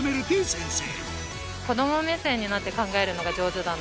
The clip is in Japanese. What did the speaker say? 先生